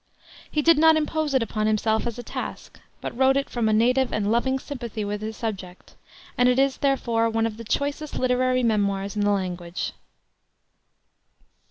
He did not impose it upon himself as a task, but wrote it from a native and loving sympathy with his subject, and it is, therefore, one of the choicest literary memoirs in the language.